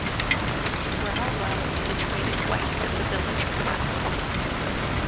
The Brow Well is situated west of the village of Ruthwell.